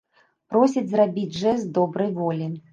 Просяць зрабіць жэст добрай волі.